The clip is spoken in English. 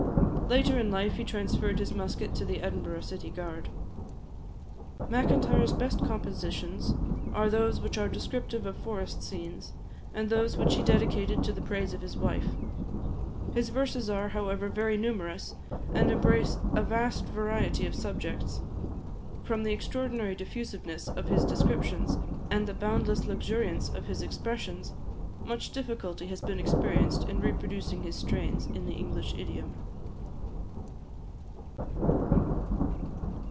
Later in life he transferred his musket to the Edinburgh City Guard. Macintyre's best compositions are those which are descriptive of forest scenes, and those which he dedicated to the praise of his wife. His verses are, however, very numerous, and embrace a vast variety of subjects. From the extraordinary diffusiveness of his descriptions, and the boundless luxuriance of his expressions, much difficulty has been experienced in reproducing his strains in the English idiom.